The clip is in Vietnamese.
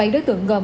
bảy đối tượng gồm